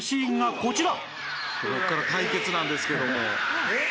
「ここから対決なんですけども」